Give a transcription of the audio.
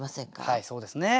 はいそうですね。